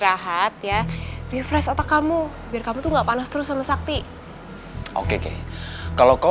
oh iya mbak jangan mbak